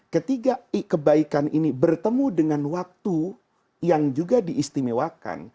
ketiga kebaikan ini bertemu dengan waktu yang juga diistimewakan